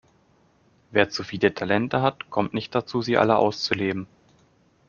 Wer zu viele Talente hat, kommt nicht dazu, sie alle auszuleben.